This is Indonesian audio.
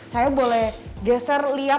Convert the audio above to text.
saya boleh geser lihat